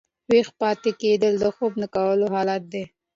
ویښ پاته کېدل د خوب نه کولو حالت دئ.